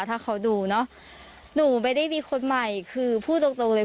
ถ้าเขาดูเนอะหนูไม่ได้มีคนใหม่คือพูดตรงตรงเลย